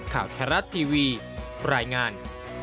ข่าวไทยรัฐทีวีรายงาน